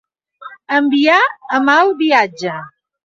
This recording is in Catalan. Enviar a mal viatge.